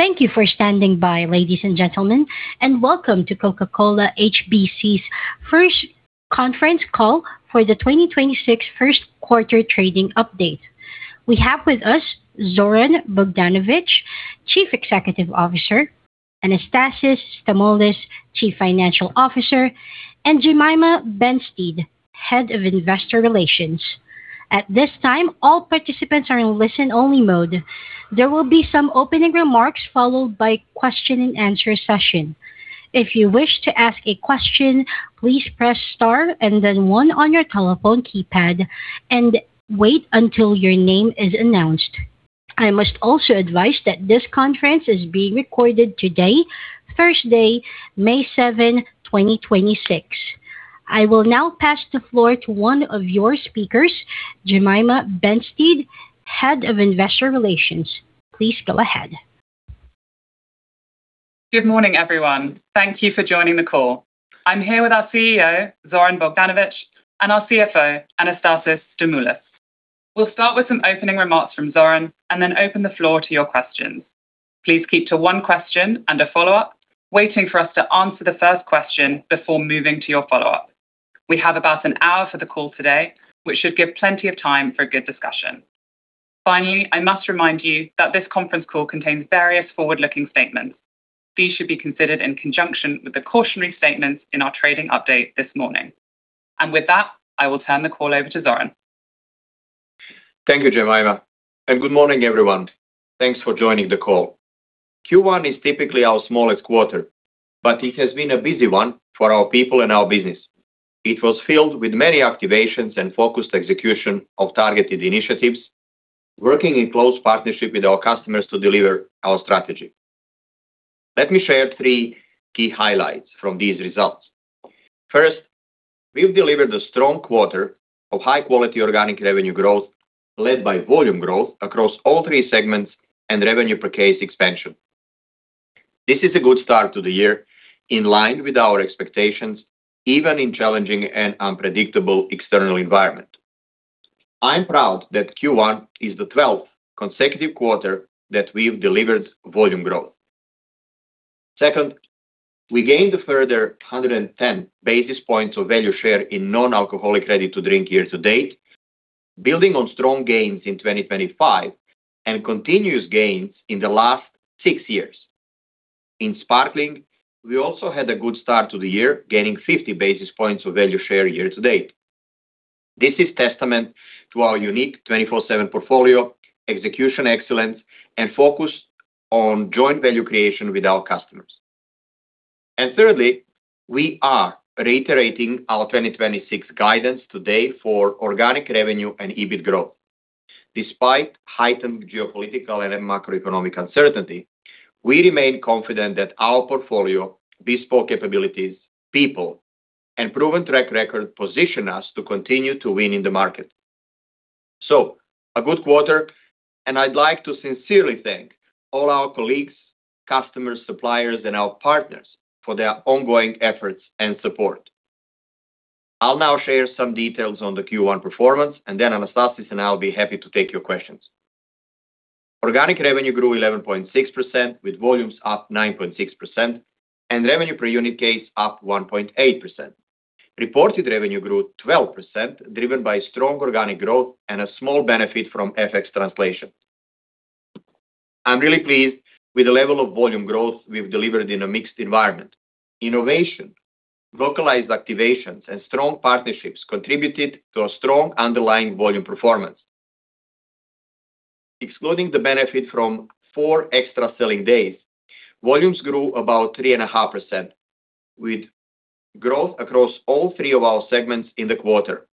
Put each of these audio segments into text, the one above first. Thank you for standing by, ladies and gentlemen, and welcome to Coca-Cola HBC's first conference call for the 2026 first quarter trading update. We have with us Zoran Bogdanovic, Chief Executive Officer, Anastasis Stamoulis, Chief Financial Officer, and Jemima Benstead, Head of Investor Relations. At this time, all participants are in listen-only mode. There will be some opening remarks followed by question and answer session. If you wish to ask a question, please press star one on your telephone keypad and wait until your name is announced. I must also advise that this conference is being recorded today, Thursday, May 7, 2026. I will now pass the floor to one of your speakers, Jemima Benstead, Head of Investor Relations. Please go ahead. Good morning, everyone. Thank you for joining the call. I'm here with our CEO, Zoran Bogdanovic, and our CFO, Anastasis Stamoulis. We'll start with some opening remarks from Zoran and then open the floor to your questions. Please keep to one question and a follow-up, waiting for us to answer the first question before moving to your follow-up. We have about an hour for the call today, which should give plenty of time for a good discussion. Finally, I must remind you that this conference call contains various forward-looking statements. These should be considered in conjunction with the cautionary statements in our trading update this morning. With that, I will turn the call over to Zoran. Thank you, Jemima. Good morning, everyone. Thanks for joining the call. Q1 is typically our smallest quarter. It has been a busy one for our people and our business. It was filled with many activations and focused execution of targeted initiatives, working in close partnership with our customers to deliver our strategy. Let me share three key highlights from these results. First, we've delivered a strong quarter of high-quality organic revenue growth led by volume growth across all three segments and revenue per case expansion. This is a good start to the year, in line with our expectations, even in challenging and unpredictable external environment. I'm proud that Q1 is the 12th consecutive quarter that we've delivered volume growth. Second, we gained a further 110 basis points of value share in non-alcoholic ready to drink year to date, building on strong gains in 2025 and continuous gains in the last six years. In Sparkling, we also had a good start to the year, gaining 50 basis points of value share year to date. This is testament to our unique 24/7 portfolio, execution excellence, and focus on joint value creation with our customers. Thirdly, we are reiterating our 2026 guidance today for organic revenue and EBIT growth. Despite heightened geopolitical and macroeconomic uncertainty, we remain confident that our portfolio, bespoke capabilities, people, and proven track record position us to continue to win in the market. A good quarter, and I'd like to sincerely thank all our colleagues, customers, suppliers, and our partners for their ongoing efforts and support. I'll now share some details on the Q1 performance and then Anastasis and I will be happy to take your questions. Organic revenue grew 11.6% with volumes up 9.6% and revenue per unit case up 1.8%. Reported revenue grew 12%, driven by strong organic growth and a small benefit from FX translation. I'm really pleased with the level of volume growth we've delivered in a mixed environment. Innovation, localized activations, and strong partnerships contributed to a strong underlying volume performance. Excluding the benefit from four extra selling days, volumes grew about 3.5%, with growth across all three of our segments in the quarter.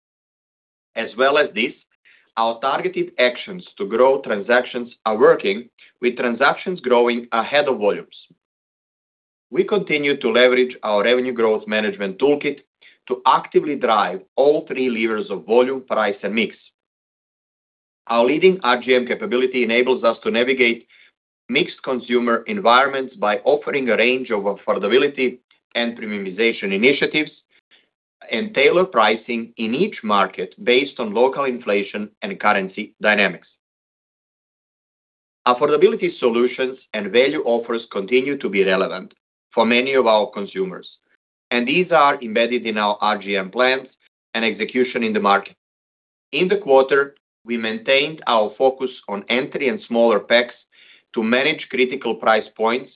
Our targeted actions to grow transactions are working with transactions growing ahead of volumes. We continue to leverage our Revenue Growth Management toolkit to actively drive all three levers of volume, price, and mix. Our leading RGM capability enables us to navigate mixed consumer environments by offering a range of affordability and premiumization initiatives and tailor pricing in each market based on local inflation and currency dynamics. Affordability solutions and value offers continue to be relevant for many of our consumers. These are embedded in our RGM plans and execution in the market. In the quarter, we maintained our focus on entry and smaller packs to manage critical price points,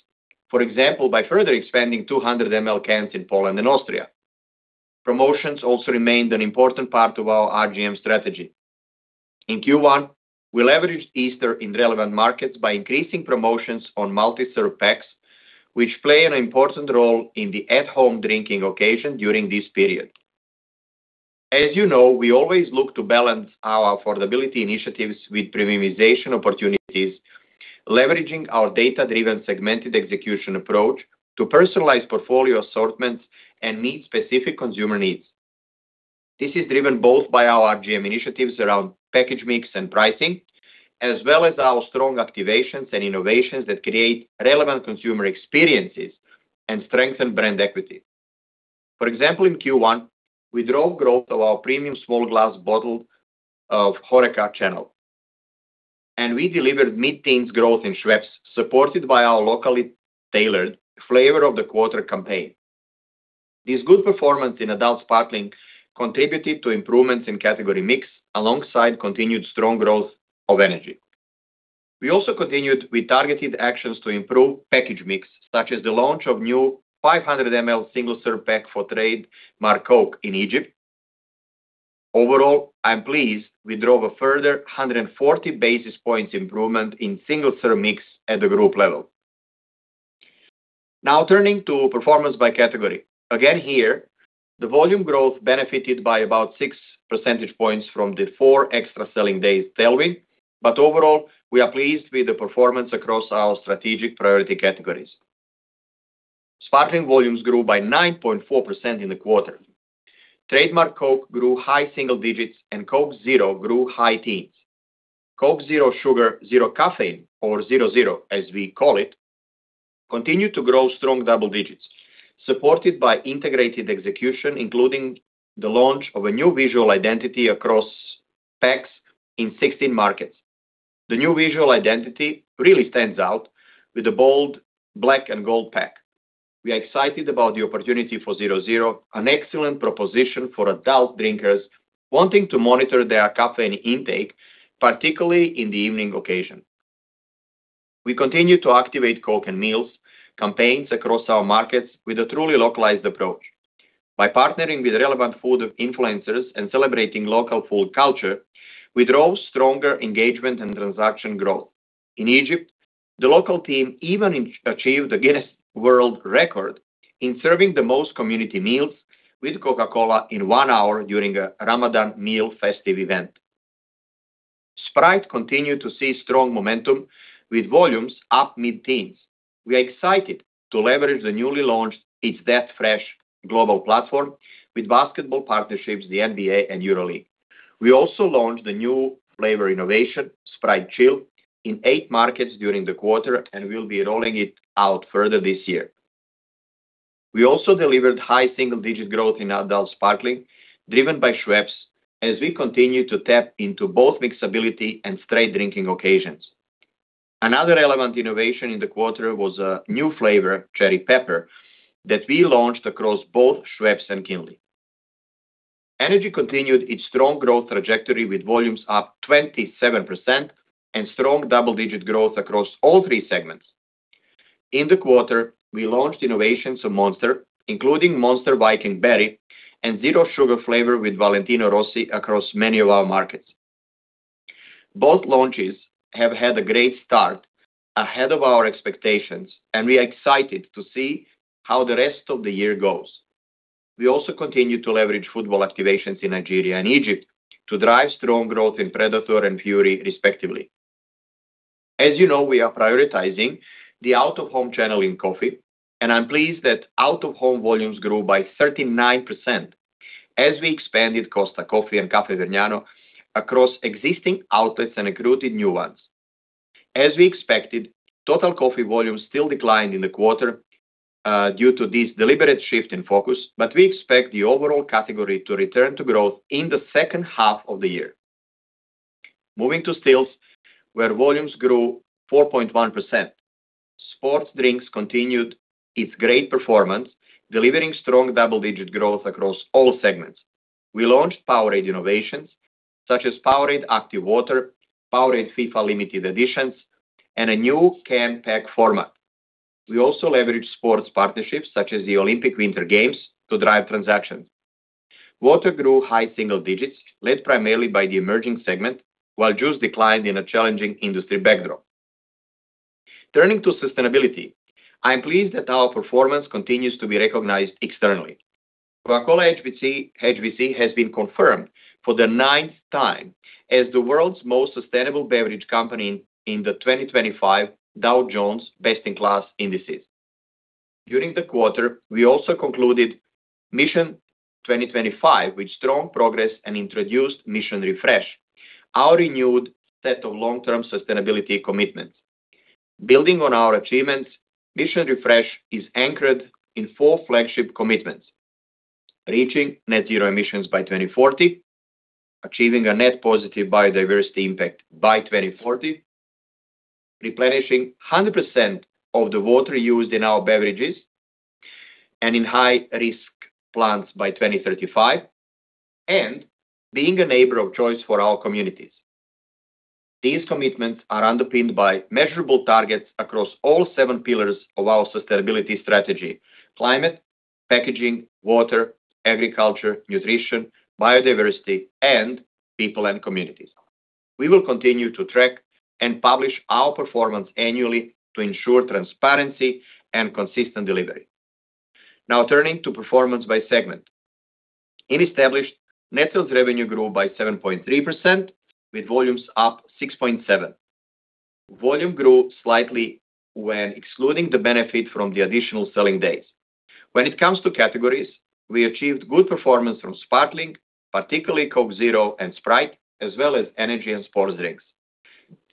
for example, by further expanding 200ml cans in Poland and Austria. Promotions also remained an important part of our RGM strategy. In Q1, we leveraged Easter in relevant markets by increasing promotions on multi-serve packs, which play an important role in the at-home drinking occasion during this period. As you know, we always look to balance our affordability initiatives with premiumization opportunities, leveraging our data-driven segmented execution approach to personalize portfolio assortments and meet specific consumer needs. This is driven both by our RGM initiatives around package mix and pricing, as well as our strong activations and innovations that create relevant consumer experiences and strengthen brand equity. For example, in Q1, we drove growth of our premium small glass bottle of HoReCa channel, and we delivered mid-teens growth in Schweppes, supported by our locally tailored Flavor of the Quarter campaign. This good performance in Adult Sparkling contributed to improvements in category mix alongside continued strong growth of energy. We also continued with targeted actions to improve package mix, such as the launch of new 500ml single-serve pack for Coke™ in Egypt. Overall, I'm pleased we drove a further 140 basis points improvement in single-serve mix at the group level. Now turning to performance by category. Again here, the volume growth benefited by about 6 percentage points from the four extra selling days to us. Overall, we are pleased with the performance across our strategic priority categories. Sparkling volumes grew by 9.4% in the quarter. Coke™ grew high single digits, and Coke Zero grew high teens. Coke Zero Sugar Zero Caffeine, or Zero Zero, as we call it, continued to grow strong double digits, supported by integrated execution, including the launch of a new visual identity across packs in 16 markets. The new visual identity really stands out with a bold black and gold pack. We are excited about the opportunity for Zero Zero, an excellent proposition for adult drinkers wanting to monitor their caffeine intake, particularly in the evening occasion. We continue to activate Coca-Cola and meals, campaigns across our markets with a truly localized approach. By partnering with relevant food influencers and celebrating local food culture, we drove stronger engagement and transaction growth. In Egypt, the local team even achieved a Guinness World Records in serving the most community meals with Coca-Cola in one hour during a Ramadan meal festive event. Sprite continued to see strong momentum with volumes up mid-teens. We are excited to leverage the newly launched It's That Fresh global platform with basketball partnerships, the NBA, and EuroLeague. We also launched a new flavor innovation, Sprite Chill, in eight markets during the quarter, and we'll be rolling it out further this year. We also delivered high single-digit growth in Adult Sparkling, driven by Schweppes, as we continue to tap into both mixability and straight drinking occasions. Another relevant innovation in the quarter was a new flavor, Cherry Pepper, that we launched across both Schweppes and Kinley. Energy continued its strong growth trajectory with volumes up 27% and strong double-digit growth across all three segments. In the quarter, we launched innovations of Monster, including Monster Viking Berry and Zero Sugar Flavor with Valentino Rossi across many of our markets. Both launches have had a great start ahead of our expectations, and we are excited to see how the rest of the year goes. We also continue to leverage football activations in Nigeria and Egypt to drive strong growth in Predator and Fury, respectively. As you know, we are prioritizing the out-of-home channel in coffee, and I'm pleased that out-of-home volumes grew by 39% as we expanded Costa Coffee and Caffè Vergnano across existing outlets and recruited new ones. As we expected, total coffee volumes still declined in the quarter due to this deliberate shift in focus, but we expect the overall category to return to growth in the second half of the year. Moving to stills, where volumes grew 4.1%. Sports drinks continued its great performance, delivering strong double-digit growth across all segments. We launched Powerade innovations such as Powerade Active Water, Powerade FIFA limited editions, and a new can pack format. We also leveraged sports partnerships such as the Olympic Winter Games to drive transactions. Water grew high single digits, led primarily by the emerging segment, while juice declined in a challenging industry backdrop. Turning to sustainability, I'm pleased that our performance continues to be recognized externally. Coca-Cola HBC has been confirmed for the ninth time as the world's most sustainable beverage company in the 2025 Dow Jones Best in Class indices. During the quarter, we also concluded Mission 2025 with strong progress and introduced Mission Refresh, our renewed set of long-term sustainability commitments. Building on our achievements, Mission Refresh is anchored in four flagship commitments: reaching net zero emissions by 2040, achieving a net positive biodiversity impact by 2040, replenishing 100% of the water used in our beverages and in high-risk plants by 2035, and being a neighbor of choice for our communities. These commitments are underpinned by measurable targets across all seven pillars of our sustainability strategy: climate, packaging, water, agriculture, nutrition, biodiversity, and people and communities. We will continue to track and publish our performance annually to ensure transparency and consistent delivery. Turning to performance by segment. In Established, net sales revenue grew by 7.3%, with volumes up 6.7%. Volume grew slightly when excluding the benefit from the additional selling days. When it comes to categories, we achieved good performance from Sparkling, particularly Coke Zero and Sprite, as well as Energy and Sports Drinks.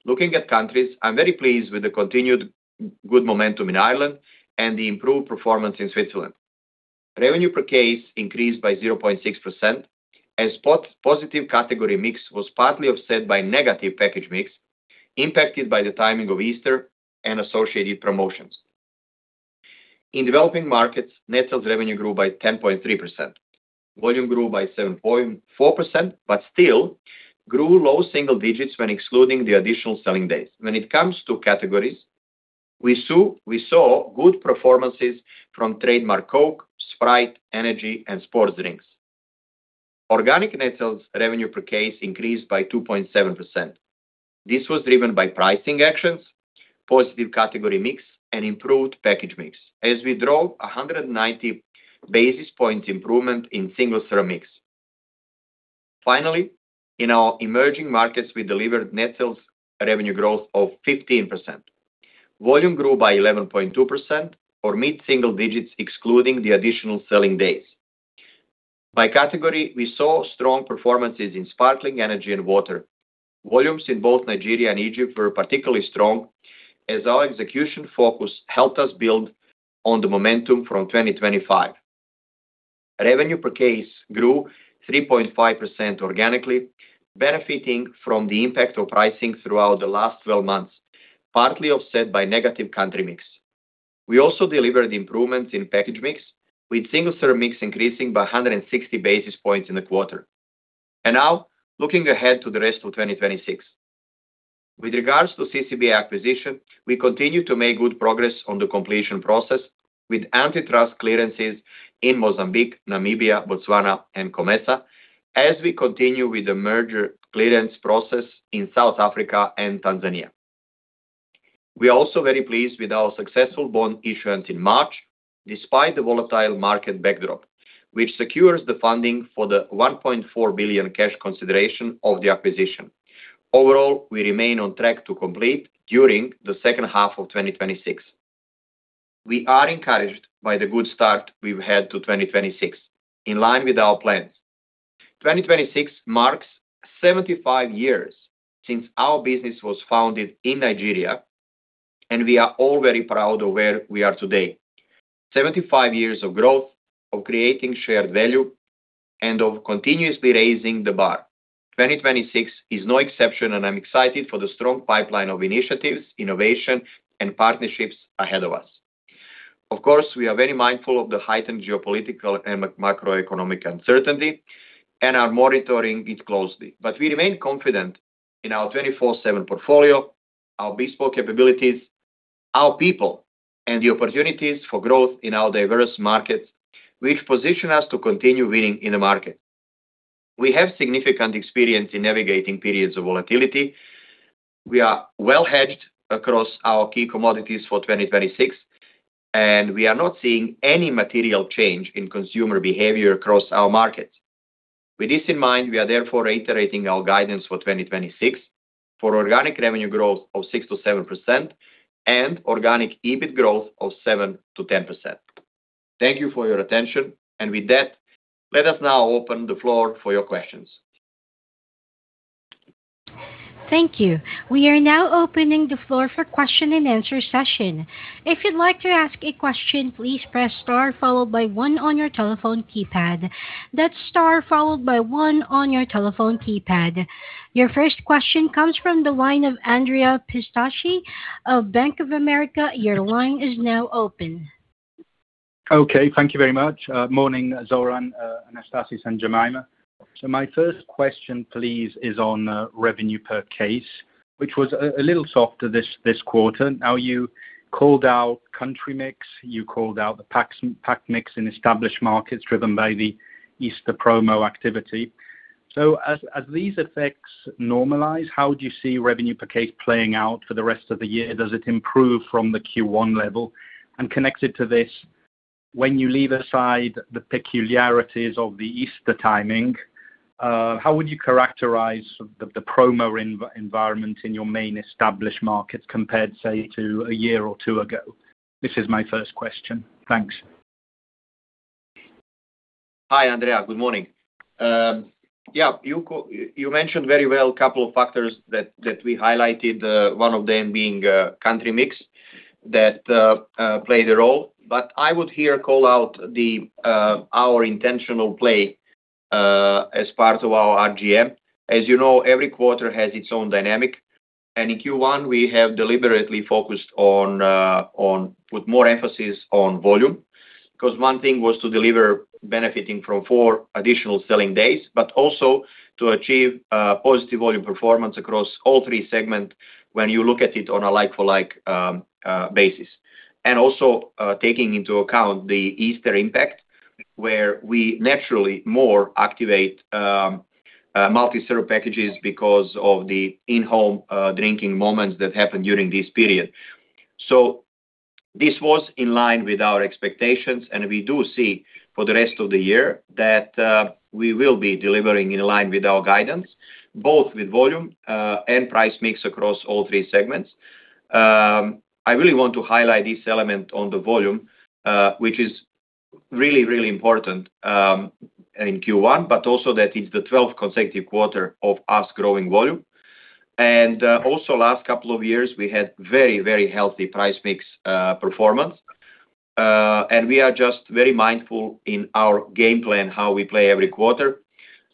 Looking at countries, I am very pleased with the continued good momentum in Ireland and the improved performance in Switzerland. Revenue per case increased by 0.6% as spot positive category mix was partly offset by negative package mix impacted by the timing of Easter and associated promotions. In Developing Markets, net sales revenue grew by 10.3%. Volume grew by 7.4%, but still grew low single digits when excluding the additional selling days. When it comes to categories, we saw good performances from Coke™, Sprite, energy and sports drinks. Organic net sales revenue per case increased by 2.7%. This was driven by pricing actions, positive category mix and improved package mix as we drove 190 basis points improvement in single serve mix. Finally, in our emerging markets we delivered net sales revenue growth of 15%. Volume grew by 11.2% or mid-single digits excluding the additional selling days. By category, we saw strong performances in Sparkling energy and water. Volumes in both Nigeria and Egypt were particularly strong as our execution focus helped us build on the momentum from 2025. Revenue per case grew 3.5% organically, benefiting from the impact of pricing throughout the last 12 months, partly offset by negative country mix. We also delivered improvements in package mix, with single serve mix increasing by 160 basis points in the quarter. Now looking ahead to the rest of 2026. With regards to CCBA acquisition, we continue to make good progress on the completion process with antitrust clearances in Mozambique, Namibia, Botswana and COMESA as we continue with the merger clearance process in South Africa and Tanzania. We are also very pleased with our successful bond issuance in March despite the volatile market backdrop, which secures the funding for the 1.4 billion cash consideration of the acquisition. Overall, we remain on track to complete during the second half of 2026. We are encouraged by the good start we've had to 2026 in line with our plans. 2026 marks 75 years since our business was founded in Nigeria, and we are all very proud of where we are today. 75 years of growth, of creating shared value, and of continuously raising the bar. 2026 is no exception. I'm excited for the strong pipeline of initiatives, innovation and partnerships ahead of us. Of course, we are very mindful of the heightened geopolitical and macroeconomic uncertainty and are monitoring it closely. We remain confident in our 24/7 portfolio, our bespoke capabilities, our people, and the opportunities for growth in our diverse markets, which position us to continue winning in the market. We have significant experience in navigating periods of volatility. We are well hedged across our key commodities for 2026. We are not seeing any material change in consumer behavior across our markets. With this in mind, we are therefore reiterating our guidance for 2026 for organic revenue growth of 6%-7% and organic EBIT growth of 7%-10%. Thank you for your attention. With that, let us now open the floor for your questions. Thank you. We are now opening the floor for question and answer session. If you'd like to ask a question, please press star followed by one on your telephone keypad. That's star followed by one on your telephone keypad. Your first question comes from the line of Andrea Pistacchi of Bank of America. Your line is now open. Okay, thank you very much. Morning Zoran, Anastasis and Jemima. My first question, please, is on revenue per case, which was a little softer this quarter. Now, you called out country mix. You called out the pack mix in established markets driven by the Easter promo activity. As these effects normalize, how do you see revenue per case playing out for the rest of the year? Does it improve from the Q1 level? Connected to this, when you leave aside the peculiarities of the Easter timing, how would you characterize the promo environment in your main established markets compared, say, to a year or two ago? This is my first question. Thanks. Hi, Andrea. Good morning. You mentioned very well a couple of factors that we highlighted, one of them being country mix that played a role. I would here call out our intentional play as part of our RGM. As you know, every quarter has its own dynamic, in Q1 we have deliberately focused on put more emphasis on volume. Because one thing was to deliver benefiting from four additional selling days, but also to achieve positive volume performance across all three segment when you look at it on a like-for-like basis. Also, taking into account the Easter impact where we naturally more activate multi-serve packages because of the in-home drinking moments that happen during this period. This was in line with our expectations, and we do see for the rest of the year that we will be delivering in line with our guidance, both with volume and price mix across all three segments. I really want to highlight this element on the volume, which is really important in Q1, but also that is the 12th consecutive quarter of us growing volume. Also last couple of years, we had very healthy price mix performance. We are just very mindful in our game plan how we play every quarter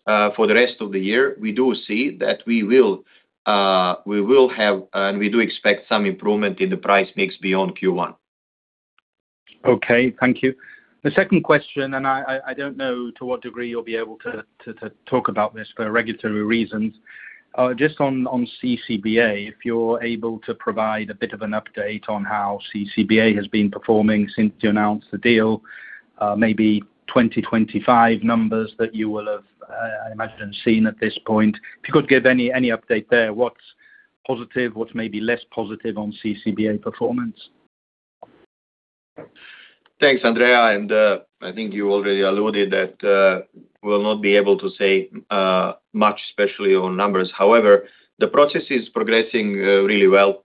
for the rest of the year. We do see that we will have, and we do expect some improvement in the price mix beyond Q1. Okay, thank you. The second question, I don't know to what degree you'll be able to talk about this for regulatory reasons. Just on CCBA, if you're able to provide a bit of an update on how CCBA has been performing since you announced the deal, maybe 2025 numbers that you will have, I imagine seen at this point. If you could give any update there, what's positive, what's maybe less positive on CCBA performance? Thanks, Andrea. I think you already alluded that we'll not be able to say much, especially on numbers. The process is progressing really well,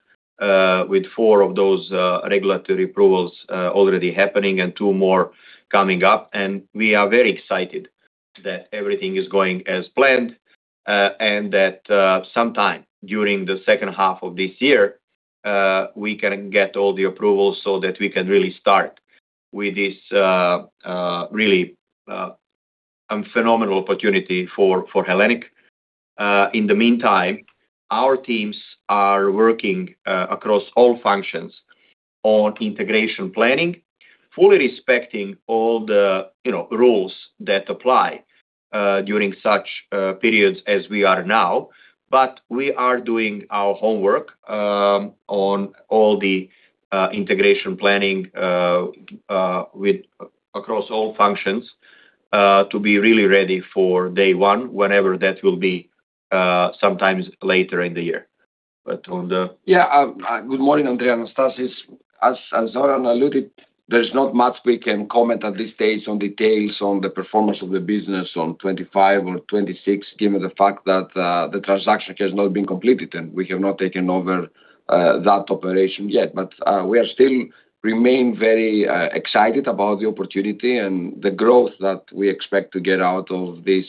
with four of those regulatory approvals already happening and two more coming up. We are very excited that everything is going as planned, and that sometime during the second half of this year, we can get all the approvals so that we can really start with this really phenomenal opportunity for Hellenic. In the meantime, our teams are working across all functions on integration planning, fully respecting all the, you know, rules that apply during such periods as we are now. We are doing our homework, on all the integration planning with across all functions, to be really ready for day one, whenever that will be, sometimes later in the year. Good morning, Andrea, Anastasis. As Zoran alluded, there's not much we can comment at this stage on details on the performance of the business on 2025 or 2026, given the fact that the transaction has not been completed and we have not taken over that operation yet. We are still remain very excited about the opportunity and the growth that we expect to get out of this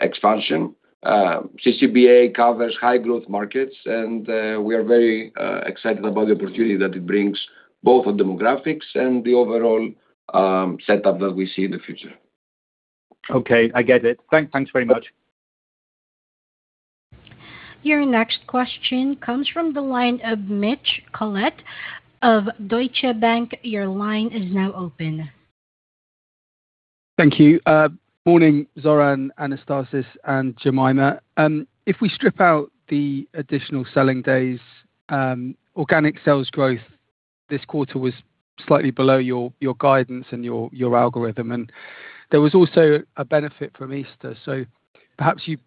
expansion. CCBA covers high growth markets, we are very excited about the opportunity that it brings both the demographics and the overall setup that we see in the future. Okay. I get it. Thanks very much. Your next question comes from the line of Mitch Collett of Deutsche Bank. Your line is now open. Thank you. Morning, Zoran, Anastasis, and Jemima. If we strip out the additional selling days, organic sales growth this quarter was slightly below your guidance and your algorithm. There was also a benefit from Easter. Perhaps you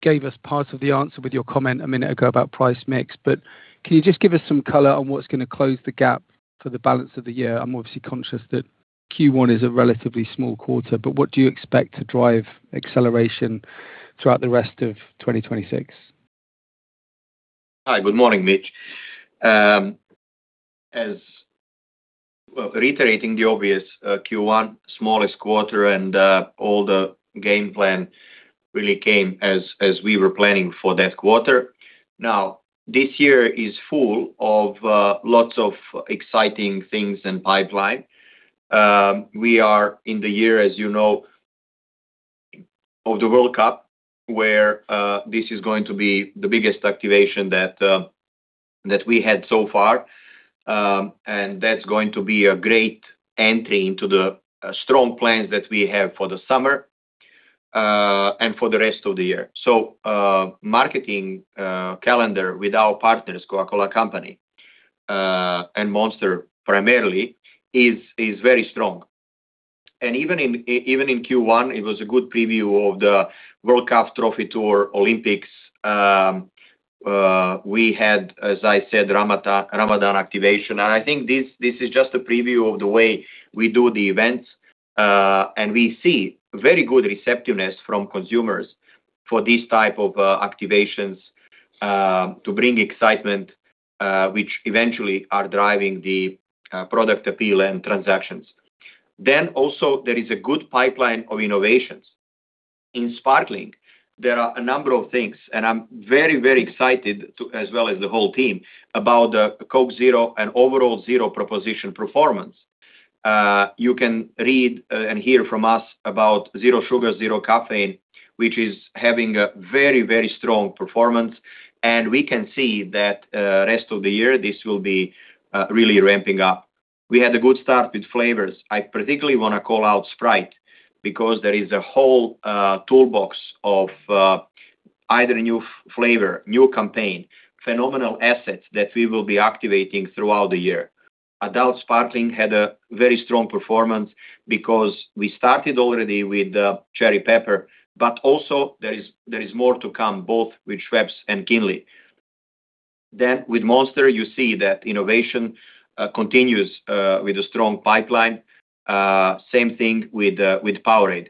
gave us part of the answer with your comment a minute ago about price mix. Can you just give us some color on what's gonna close the gap for the balance of the year? I'm obviously conscious that Q1 is a relatively small quarter, but what do you expect to drive acceleration throughout the rest of 2026? Hi. Good morning, Mitch. As well, reiterating the obvious, Q1 smallest quarter and all the game plan really came as we were planning for that quarter. This year is full of lots of exciting things and pipeline. We are in the year, as you know, of the World Cup, where this is going to be the biggest activation that we had so far. That's going to be a great entry into the strong plans that we have for the summer and for the rest of the year. Marketing calendar with our partners, Coca-Cola Company and Monster primarily is very strong. Even in Q1, it was a good preview of the World Cup Trophy Tour, Olympics. We had, as I said, Ramadan activation. I think this is just a preview of the way we do the events. We see very good receptiveness from consumers for these type of activations to bring excitement, which eventually are driving the product appeal and transactions. Also there is a good pipeline of innovations. In Sparkling, there are a number of things, and I'm very excited to as well as the whole team about the Coke Zero and overall Zero proposition performance. You can read and hear from us about Zero Sugar, Zero Caffeine, which is having a very strong performance. We can see that rest of the year this will be really ramping up. We had a good start with flavors. I particularly wanna call out Sprite because there is a whole toolbox of either new flavor, new campaign, phenomenal assets that we will be activating throughout the year. Adult Sparkling had a very strong performance because we started already with Cherry Pepper, but also there is more to come both with Schweppes and Kinley. With Monster you see that innovation continues with a strong pipeline. Same thing with Powerade.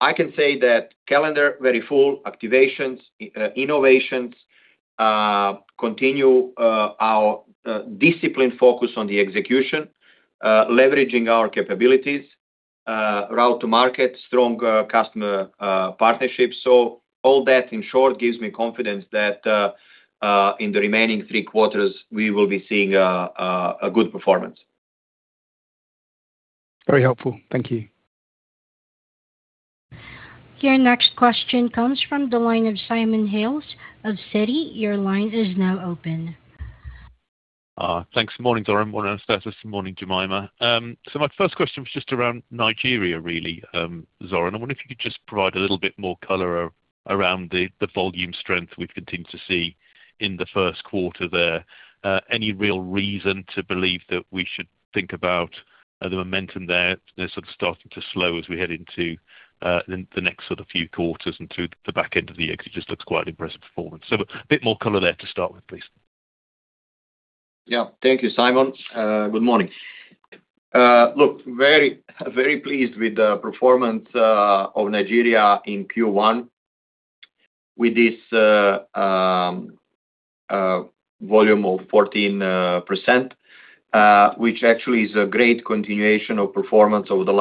I can say that calendar very full, activations, innovations continue, our discipline focus on the execution, leveraging our capabilities, route to market, strong customer partnerships. All that in short gives me confidence that in the remaining three quarters we will be seeing a good performance. Very helpful. Thank you. Your next question comes from the line of Simon Hales of Citi. Your line is now open. Thanks. Morning, Zoran. Morning, Anastasis. Morning, Jemima. My first question was just around Nigeria really, Zoran. I wonder if you could just provide a little bit more color around the volume strength we've continued to see in the first quarter there. Any real reason to believe that we should think about the momentum there sort of starting to slow as we head into the next sort of few quarters and to the back end of the year, 'cause it just looks quite impressive performance. A bit more color there to start with, please. Yeah. Thank you, Simon. Good morning. Look, very, very pleased with the performance of Nigeria in Q1 with this volume of 14%, which actually is a great continuation of performance over the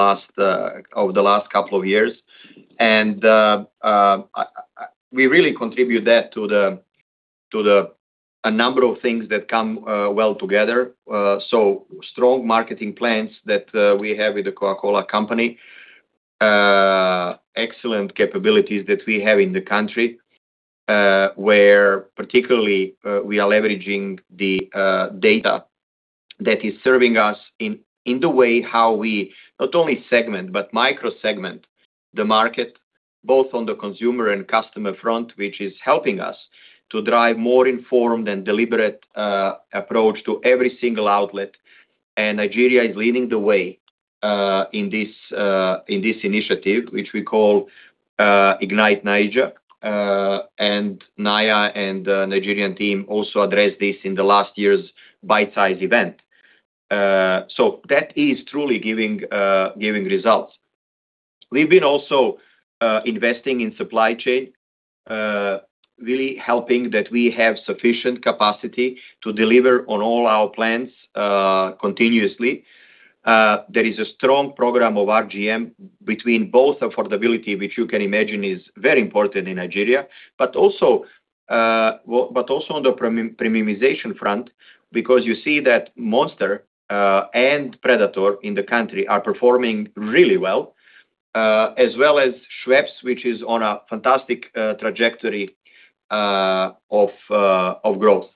last couple of years. We really contribute that to a number of things that come well together. Strong marketing plans that we have with The Coca-Cola Company. Excellent capabilities that we have in the country, where particularly we are leveraging the data that is serving us in in the way how we not only segment but micro segment the market, both on the consumer and customer front, which is helping us to drive more informed and deliberate approach to every single outlet. Nigeria is leading the way in this in this initiative, which we call Ignite Naija, and Naya and the Nigerian team also addressed this in the last year's bite-size event. That is truly giving results. We've been also investing in supply chain, really helping that we have sufficient capacity to deliver on all our plans continuously. There is a strong program of RGM between both affordability, which you can imagine is very important in Nigeria, but also on the premiumization front because you see that Monster and Predator in the country are performing really well, as well as Schweppes, which is on a fantastic trajectory of growth.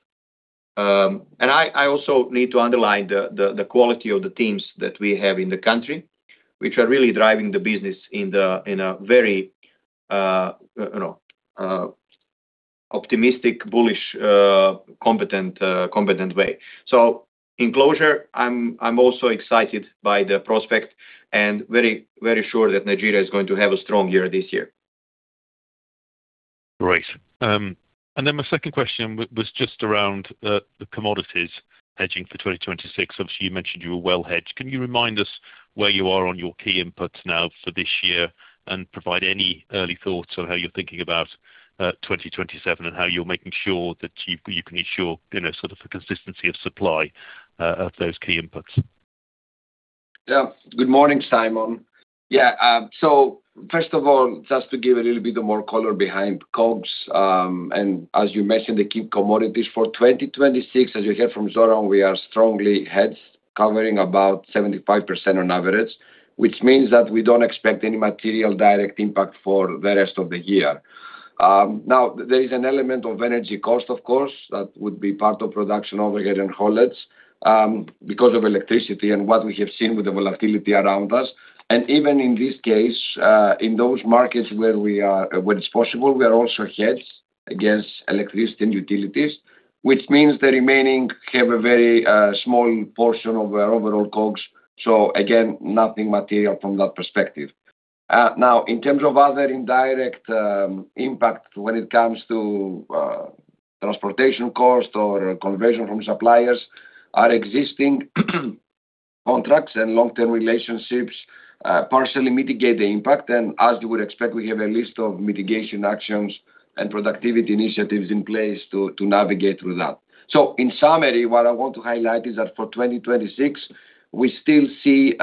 I also need to underline the quality of the teams that we have in the country, which are really driving the business in a very optimistic, bullish, competent way. In closure, I'm also excited by the prospect and very sure that Nigeria is going to have a strong year this year. Great. My second question was just around the commodities hedging for 2026. Obviously, you mentioned you were well hedged. Can you remind us where you are on your key inputs now for this year and provide any early thoughts on how you're thinking about 2027 and how you're making sure that you can ensure, you know, sort of a consistency of supply of those key inputs? Good morning, Simon. First of all, just to give a little bit of more color behind COGS, and as you mentioned, the key commodities for 2026, as you heard from Zoran, we are strongly hedged, covering about 75% on average, which means that we don't expect any material direct impact for the rest of the year. Now there is an element of energy cost, of course, that would be part of production overhead and haulage, because of electricity and what we have seen with the volatility around us. Even in this case, in those markets where it's possible, we are also hedged against electricity and utilities, which means the remaining have a very small portion of our overall COGS. Again, nothing material from that perspective. Now in terms of other indirect impact when it comes to transportation cost or conversion from suppliers, our existing contracts and long-term relationships partially mitigate the impact. As you would expect, we have a list of mitigation actions and productivity initiatives in place to navigate through that. In summary, what I want to highlight is that for 2026, we still see,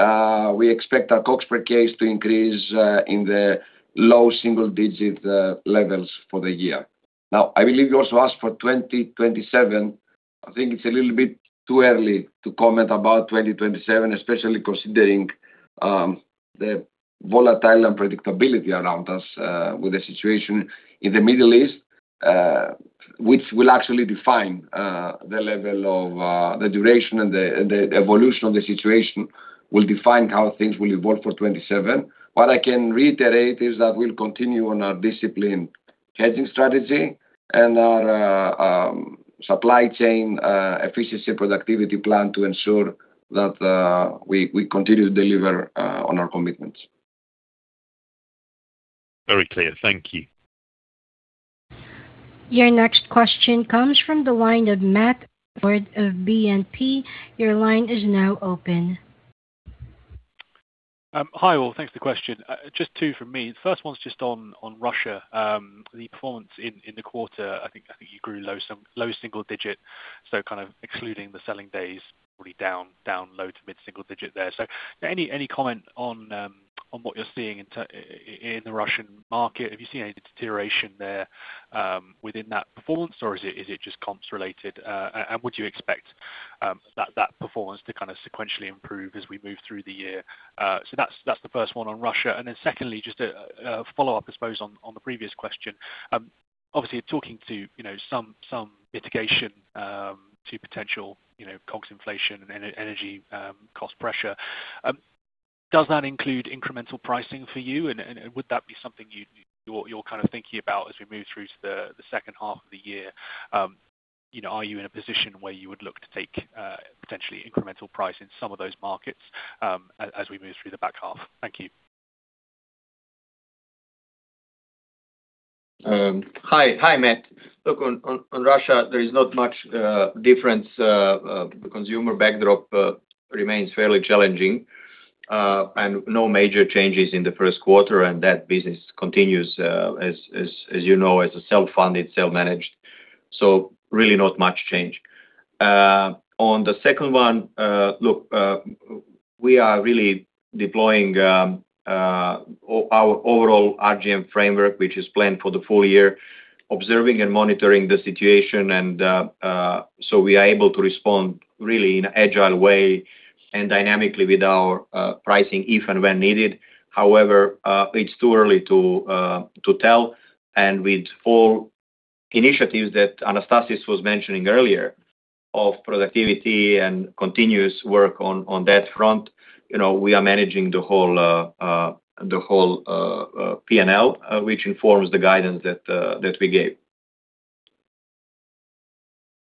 we expect our COGS per case to increase in the low single-digit levels for the year. I believe you also asked for 2027. I think it's a little bit too early to comment about 2027, especially considering the volatile unpredictability around us with the situation in the Middle East, which will actually define the level of the duration and the and the evolution of the situation will define how things will evolve for 27. What I can reiterate is that we'll continue on our disciplined hedging strategy and our supply chain efficiency productivity plan to ensure that we continue to deliver on our commitments. Very clear. Thank you. Your next question comes from the line of Matthew Ford of BNP. Your line is now open. Hi all. Thanks for the question. Just two from me. The first one's just on Russia. The performance in the quarter, I think you grew some low-single digit, so kind of excluding the selling days probably down low to mid-single digit there. Any comment on what you're seeing in the Russian market? Have you seen any deterioration there within that performance, or is it just comps related? Would you expect that performance to kind of sequentially improve as we move through the year? That's the first one on Russia. Secondly, just a follow-up, I suppose, on the previous question. Obviously you're talking to some mitigation to potential COGS inflation and energy cost pressure. Does that include incremental pricing for you? Would that be something you're thinking about as we move through to the second half of the year? Are you in a position where you would look to take potentially incremental price in some of those markets as we move through the back half? Thank you. Hi. Hi, Matt. Look, on Russia, there is not much difference. The consumer backdrop remains fairly challenging, and no major changes in the first quarter, and that business continues, as you know, as a self-funded, self-managed. Really not much change. On the second one, look, we are really deploying our overall RGM framework, which is planned for the full year, observing and monitoring the situation and we are able to respond really in an agile way and dynamically with our pricing if and when needed. However, it's too early to tell. With all initiatives that Anastasis was mentioning earlier of productivity and continuous work on that front, you know, we are managing the whole P&L, which informs the guidance that we gave.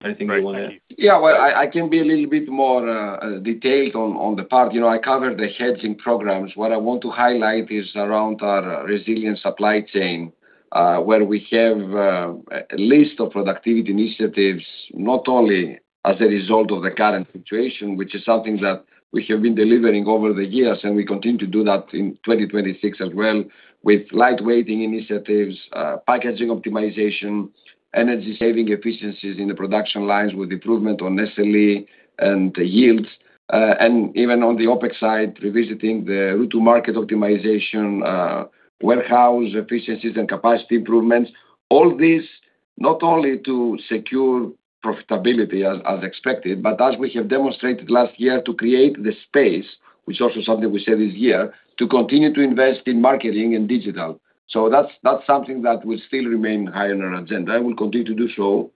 Anything you wanna add? Yeah, well, I can be a little bit more detailed on the part. You know, I covered the hedging programs. What I want to highlight is around our resilient supply chain, where we have a list of productivity initiatives, not only as a result of the current situation, which is something that we have been delivering over the years, and we continue to do that in 2026 as well, with lightweighting initiatives, packaging optimization, energy saving efficiencies in the production lines with improvement on SLE and yields. Even on the OpEx side, revisiting the go-to-market optimization, warehouse efficiencies and capacity improvements. All these not only to secure profitability as expected, but as we have demonstrated last year, to create the space, which also something we said this year, to continue to invest in marketing and digital. That's something that will still remain high on our agenda, and we'll continue to do so,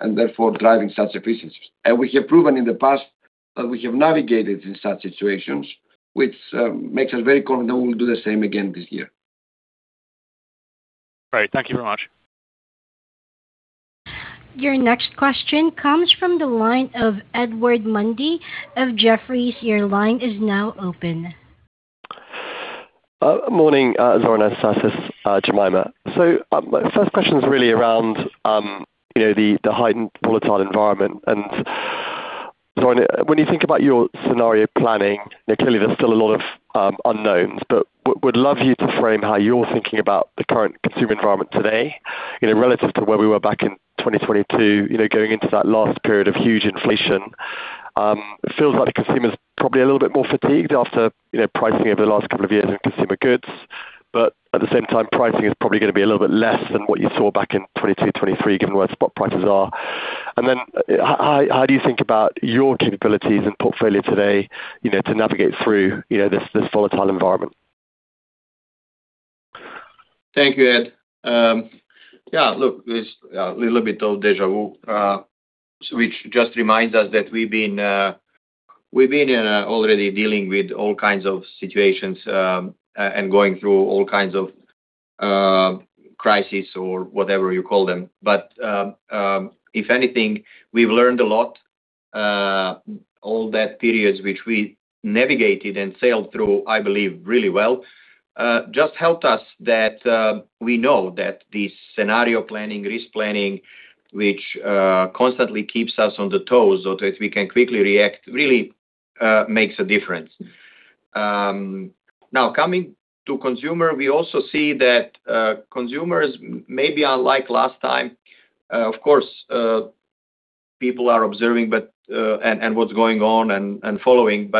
and therefore driving such efficiencies. We have proven in the past that we have navigated in such situations, which makes us very confident that we'll do the same again this year. Great. Thank you very much. Your next question comes from the line of Edward Mundy of Jefferies. Your line is now open. Morning, Zoran, Anastasis, Jemima. My first question is really around, you know, the heightened volatile environment. Zoran, when you think about your scenario planning, you know, clearly there's still a lot of unknowns, but would love you to frame how you're thinking about the current consumer environment today, you know, relative to where we were back in 2022, you know, going into that last period of huge inflation. It feels like the consumer's probably a little bit more fatigued after, you know, pricing over the last couple of years in consumer goods. At the same time, pricing is probably gonna be a little bit less than what you saw back in 2022-2023, given where spot prices are. How do you think about your capabilities and portfolio today, you know, to navigate through, you know, this volatile environment? Thank you, Ed. Yeah, look, there's a little bit of deja vu, which just reminds us that we've been already dealing with all kinds of situations and going through all kinds of crises or whatever you call them. If anything, we've learned a lot, all that periods which we navigated and sailed through, I believe, really well, just helped us that we know that this scenario planning, risk planning, which constantly keeps us on the toes so that we can quickly react, really, makes a difference. Now coming to consumer, we also see that consumers, maybe unlike last time, of course, people are observing, but what's going on and following.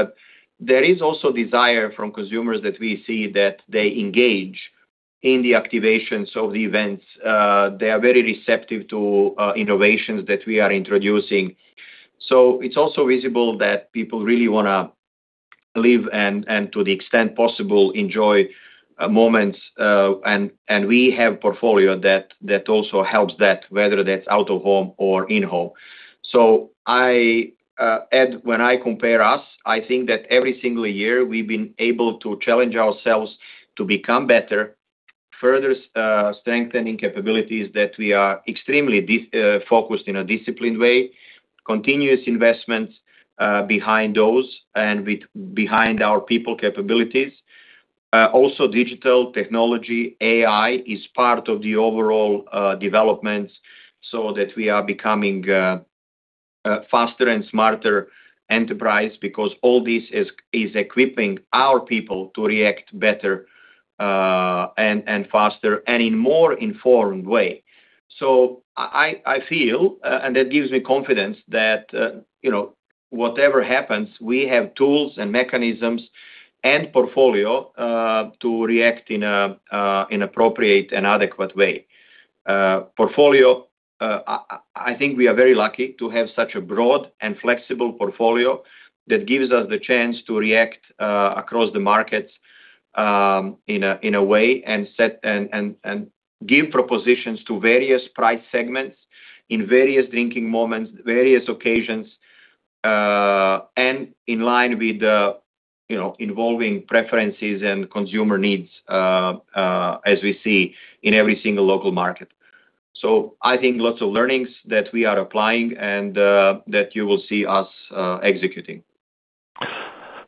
There is also desire from consumers that we see that they engage in the activations of the events. They are very receptive to innovations that we are introducing. It is also visible that people really wanna live and to the extent possible, enjoy moments. And we have portfolio that also helps that, whether that's out of home or in-home. I, Ed, when I compare us, I think that every single year we've been able to challenge ourselves to become better, further strengthening capabilities that we are extremely focused in a disciplined way, continuous investments behind those and behind our people capabilities. Also digital technology, AI is part of the overall development, so that we are becoming a faster and smarter enterprise because all this is equipping our people to react better and faster and in more informed way. I feel, and that gives me confidence that, you know, whatever happens, we have tools and mechanisms and portfolio to react in a, in appropriate and adequate way. Portfolio, I think we are very lucky to have such a broad and flexible portfolio that gives us the chance to react across the markets in a way, and set and give propositions to various price segments in various drinking moments, various occasions, and in line with the, you know, involving preferences and consumer needs as we see in every single local market. I think lots of learnings that we are applying and that you will see us executing.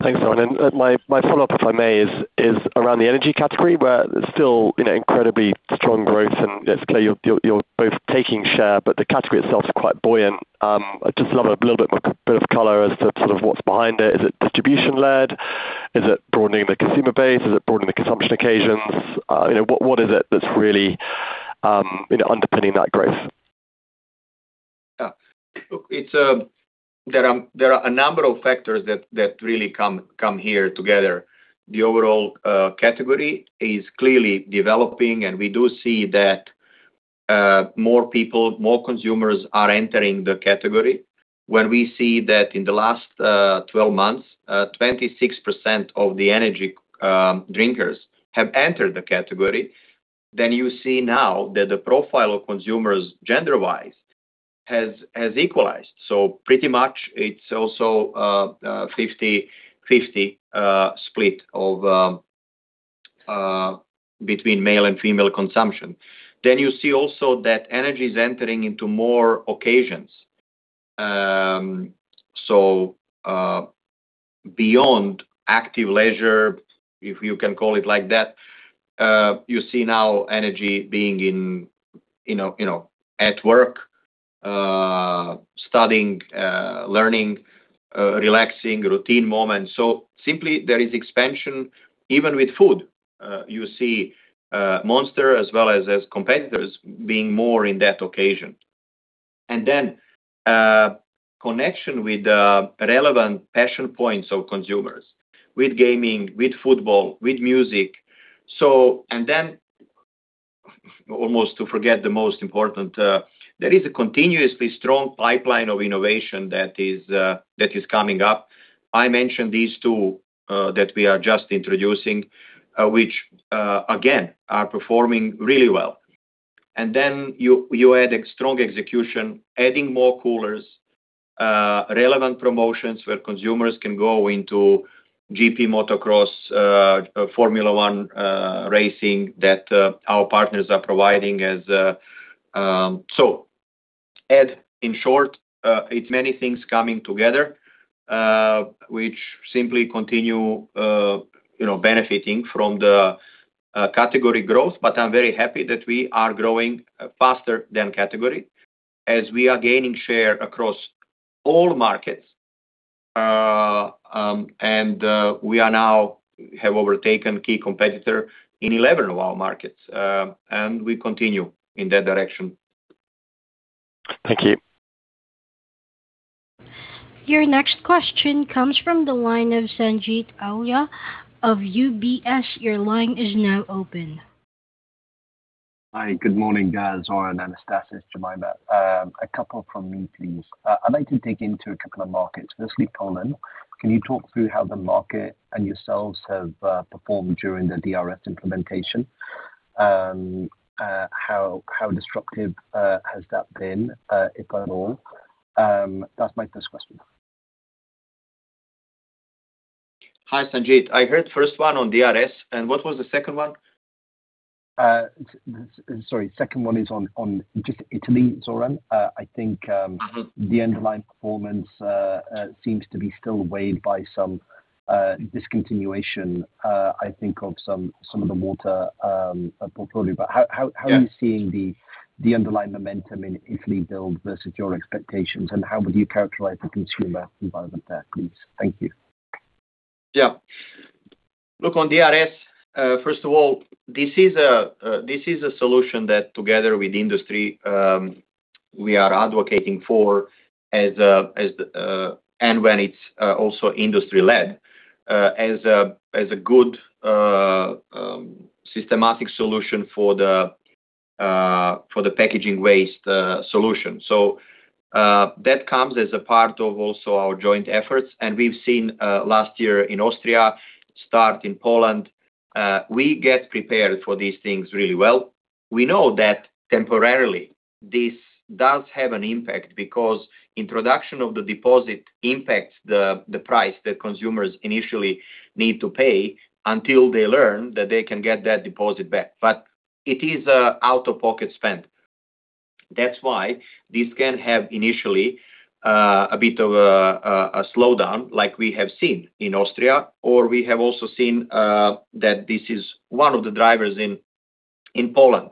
Thanks, Zoran. My follow-up, if I may, is around the energy category, where there's still, you know, incredibly strong growth. It's clear you're both taking share, but the category itself is quite buoyant. I'd just love a little bit of color as to sort of what's behind it. Is it distribution-led? Is it broadening the consumer base? Is it broadening the consumption occasions? You know, what is it that's really, you know, underpinning that growth? Yeah. Look, There are a number of factors that really come here together. The overall category is clearly developing, and we do see that more people, more consumers are entering the category. When we see that in the last 12 months, 26% of the energy drinkers have entered the category, then you see now that the profile of consumers gender-wise has equalized. Pretty much it's also a 50-50 split of between male and female consumption. You see also that energy is entering into more occasions. Beyond active leisure, if you can call it like that, you see now energy being in, you know, at work, studying, learning, relaxing, routine moments. Simply there is expansion even with food. You see Monster as well as competitors being more in that occasion. Connection with the relevant passion points of consumers, with gaming, with football, with music. Almost to forget the most important, there is a continuously strong pipeline of innovation that is coming up. I mentioned these two that we are just introducing, which again, are performing really well. You add a strong execution, adding more coolers, relevant promotions where consumers can go into GP Motocross, Formula One racing that our partners are providing as. Ed, in short, it's many things coming together, which simply continue, you know, benefiting from the category growth. I'm very happy that we are growing faster than category as we are gaining share across all markets. We have now overtaken key competitor in 11 of our markets, and we continue in that direction. Thank you. Your next question comes from the line of Sanjeet Aujla of UBS. Your line is now open. Hi, good morning, guys. Zoran, Anastasis, Jemima. A couple from me, please. I'd like to dig into a couple of markets. Firstly, Poland. Can you talk through how the market and yourselves have performed during the DRS implementation? How disruptive has that been, if at all? That's my first question. Hi, Sanjeet. I heard first one on DRS, and what was the second one? Sorry. Second one is on just Italy, Zoran. I think the underlying performance seems to be still weighed by some discontinuation, I think of some of the water portfolio. How are you? Yeah. -seeing the underlying momentum in Italy build versus your expectations, and how would you characterize the consumer environment there, please? Thank you. Yeah. Look, on DRS, first of all, this is a solution that together with industry, we are advocating for as and when it's also industry-led, as a good, systematic solution for the packaging waste solution. That comes as a part of also our joint efforts, we've seen, last year in Austria start in Poland. We get prepared for these things really well. We know that temporarily this does have an impact because introduction of the deposit impacts the price that consumers initially need to pay until they learn that they can get that deposit back. It is a out-of-pocket spend. That's why this can have initially a bit of a slowdown like we have seen in Austria, or we have also seen that this is one of the drivers in Poland.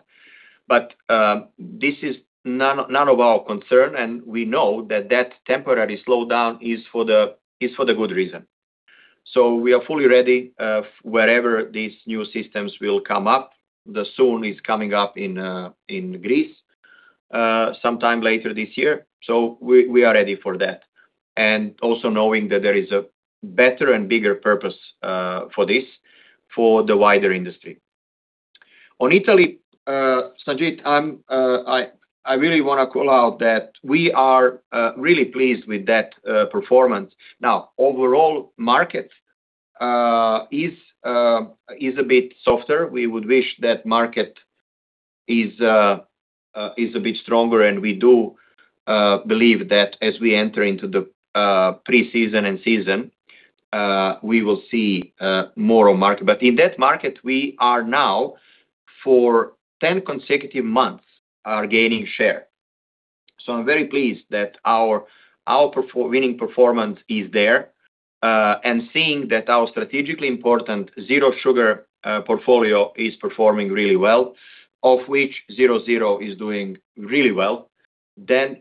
This is none of our concern, and we know that that temporary slowdown is for the good reason. We are fully ready wherever these new systems will come up. The soon is coming up in Greece sometime later this year. We are ready for that. Also knowing that there is a better and bigger purpose for this for the wider industry. On Italy, Sanjeet, I'm I really wanna call out that we are really pleased with that performance. Overall market is a bit softer. We would wish that market is a bit stronger, and we do believe that as we enter into the pre-season and season, we will see more market. In that market, we are now for 10 consecutive months gaining share. I'm very pleased that our winning performance is there, and seeing that our strategically important zero sugar portfolio is performing really well, of which Zero Zero is doing really well.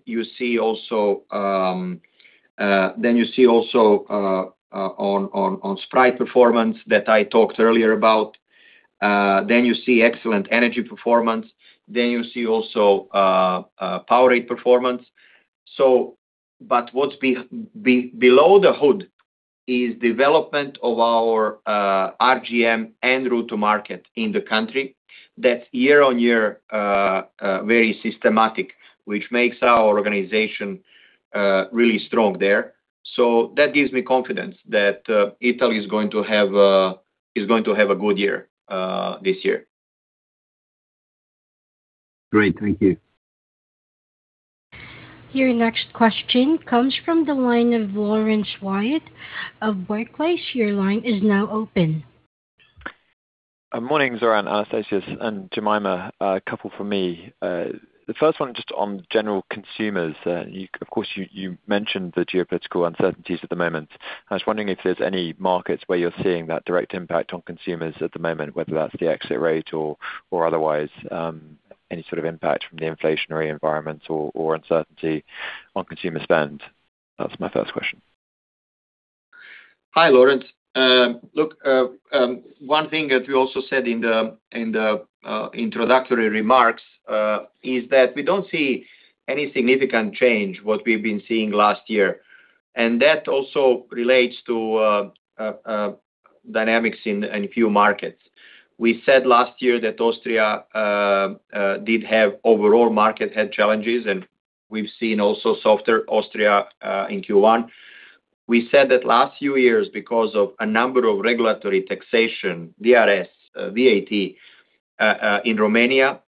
You see also on Sprite performance that I talked earlier about. You see excellent energy performance. You see also Powerade performance. What's below the hood is development of our RGM and route to market in the country that year-on-year, very systematic, which makes our organization really strong there. That gives me confidence that Italy is going to have a good year this year. Great. Thank you. Your next question comes from the line of Laurence Whyatt of Barclays. Your line is now open. Morning, Zoran, Anastasis, and Jemima. A couple from me. The first one just on general consumers. Of course, you mentioned the geopolitical uncertainties at the moment. I was wondering if there's any markets where you're seeing that direct impact on consumers at the moment, whether that's the exit rate or otherwise, any sort of impact from the inflationary environment or uncertainty on consumer spend. That's my first question. Hi, Laurence. One thing that we also said in the introductory remarks is that we don't see any significant change what we've been seeing last year, and that also relates to dynamics in a few markets. We said last year that Austria did have overall market had challenges, and we've seen also softer Austria in Q1. We said that last few years because of a number of regulatory taxation, DRS, VAT in Romania,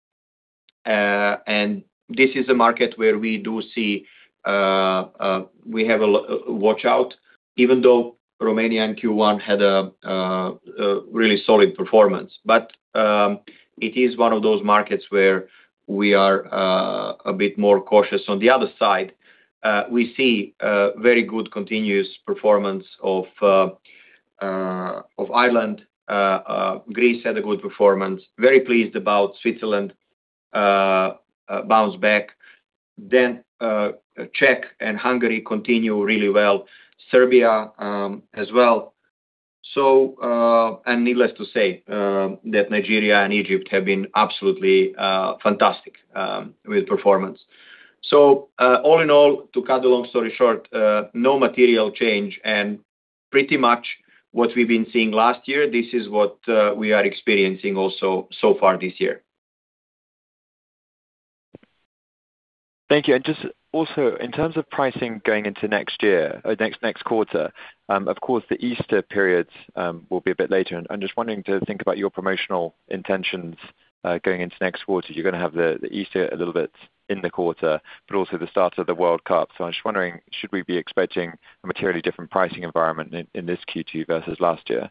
and this is a market where we do see we have a watch out, even though Romania in Q1 had really solid performance. It is one of those markets where we are a bit more cautious. On the other side, we see very good continuous performance of Ireland. Greece had a good performance. Very pleased about Switzerland, bounce back. Czech and Hungary continue really well. Serbia, as well. Needless to say that Nigeria and Egypt have been absolutely fantastic with performance. All in all, to cut a long story short, no material change and pretty much what we've been seeing last year, this is what we are experiencing also so far this year. Thank you. Just also in terms of pricing going into next year or next quarter, of course, the Easter periods, will be a bit later. I'm just wanting to think about your promotional intentions, going into next quarter. You're gonna have the Easter a little bit in the quarter, but also the start of the World Cup. I'm just wondering, should we be expecting a materially different pricing environment in this Q2 versus last year?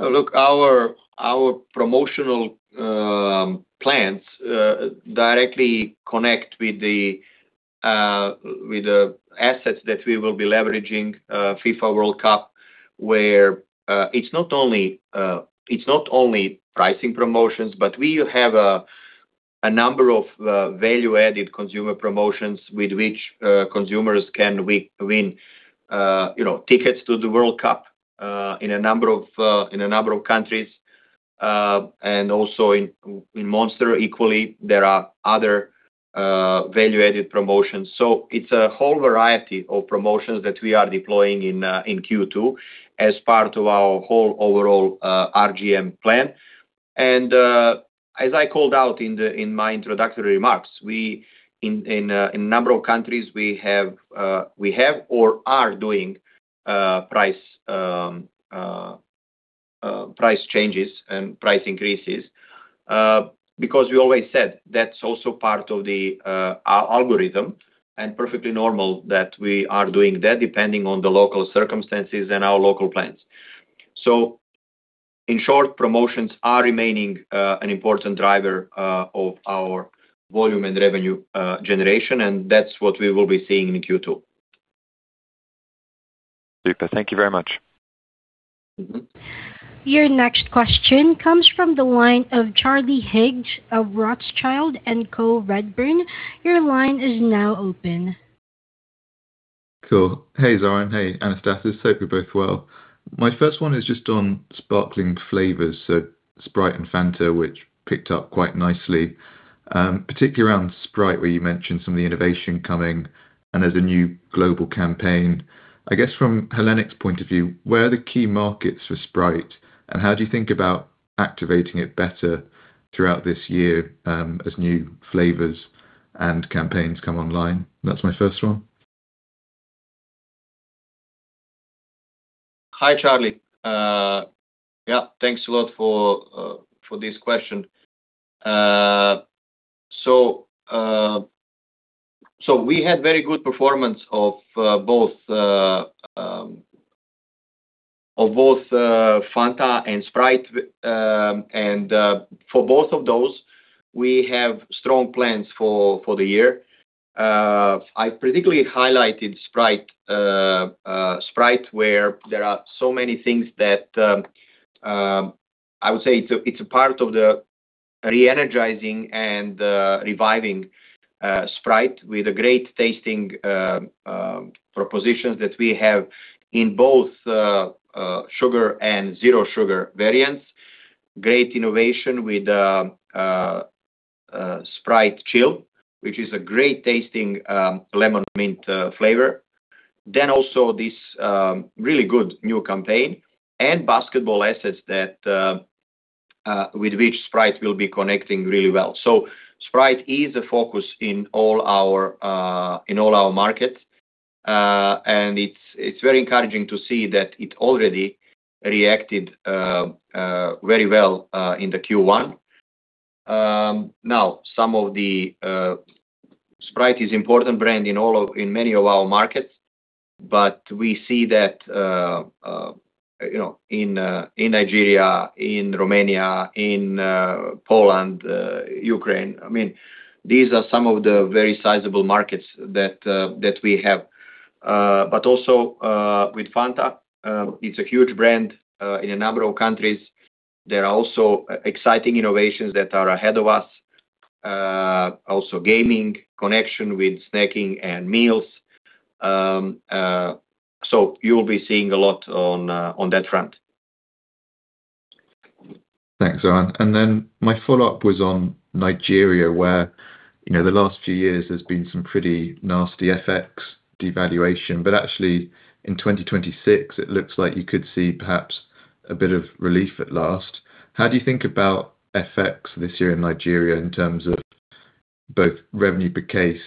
Look, our promotional plans directly connect with the assets that we will be leveraging, FIFA World Cup, where it's not only pricing promotions, but we have a number of value-added consumer promotions with which consumers can win, you know, tickets to the World Cup in a number of countries. Also in Monster equally, there are other value-added promotions. It's a whole variety of promotions that we are deploying in Q2 as part of our whole overall RGM plan. As I called out in my introductory remarks, we in a number of countries we have or are doing price changes and price increases. Because we always said that's also part of the algorithm and perfectly normal that we are doing that depending on the local circumstances and our local plans. In short, promotions are remaining an important driver of our volume and revenue generation, and that's what we will be seeing in Q2. Super. Thank you very much. Mm-hmm. Your next question comes from the line of Charlie Higgs of Rothschild & Co Redburn. Your line is now open. Cool. Hey, Zoran. Hey, Anastasis. Hope you're both well. My first one is just on Sparkling flavors, so Sprite and Fanta, which picked up quite nicely, particularly around Sprite, where you mentioned some of the innovation coming, and there's a new global campaign. I guess from Hellenic's point of view, where are the key markets for Sprite, and how do you think about activating it better throughout this year, as new flavors and campaigns come online? That's my first one. Hi, Charlie. Thanks a lot for this question. We had very good performance of both Fanta and Sprite, and for both of those, we have strong plans for the year. I particularly highlighted Sprite, where there are so many things that I would say it's a part of the re-energizing and reviving Sprite with a great-tasting propositions that we have in both sugar and zero sugar variants. Great innovation with Sprite Chill, which is a great-tasting lemon mint flavor. Also this really good new campaign and basketball assets that with which Sprite will be connecting really well. Sprite is a focus in all our, in all our markets. And it's very encouraging to see that it already reacted very well in the Q1. Now some of the Sprite is important brand in many of our markets, but we see that, you know, in Nigeria, in Romania, in Poland, Ukraine. I mean, these are some of the very sizable markets that we have. But also, with Fanta, it's a huge brand in a number of countries. There are also exciting innovations that are ahead of us. Also gaming connection with snacking and meals. You will be seeing a lot on that front. Thanks, Zoran. My follow-up was on Nigeria, where, you know, the last few years there's been some pretty nasty FX devaluation, but actually in 2026 it looks like you could see perhaps a bit of relief at last. How do you think about FX this year in Nigeria in terms of both revenue per case,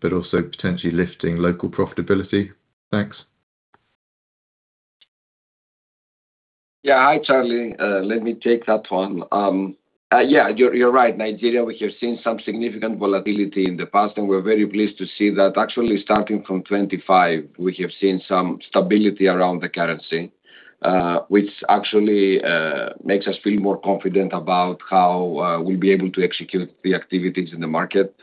but also potentially lifting local profitability? Thanks. Hi, Charlie. Let me take that one. Yeah, you're right. Nigeria, we have seen some significant volatility in the past, and we're very pleased to see that actually starting from 2025 we have seen some stability around the currency, which actually makes us feel more confident about how we'll be able to execute the activities in the market.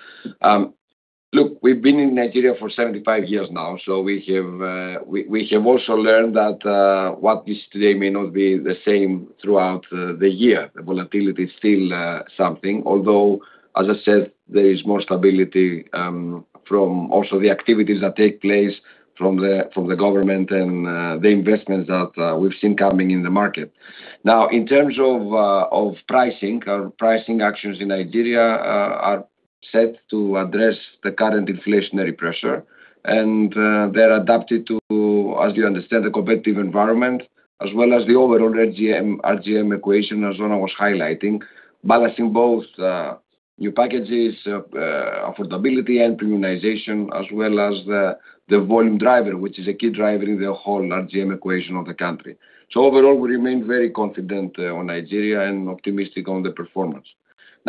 Look, we've been in Nigeria for 75 years now, so we have also learned that what is today may not be the same throughout the year. The volatility is still something, although, as I said, there is more stability, from also the activities that take place from the government and the investments that we've seen coming in the market. Now, in terms of pricing, our pricing actions in Nigeria are set to address the current inflationary pressure, and they're adapted to, as you understand, the competitive environment as well as the overall RGM equation as Zoran was highlighting, balancing both new packages, affordability and premiumization as well as the volume driver, which is a key driver in the whole RGM equation of the country. Overall, we remain very confident on Nigeria and optimistic on the performance.